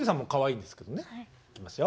いきますよ。